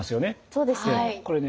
そうですね。